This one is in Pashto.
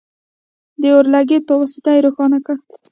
د اور لګیت په واسطه یې روښانه کړئ.